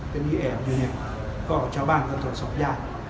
เป็นที่แอบอยู่เนี่ย